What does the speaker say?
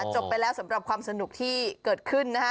จบไปแล้วสำหรับความสนุกที่เกิดขึ้นนะฮะ